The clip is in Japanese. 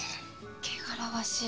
汚らわしい。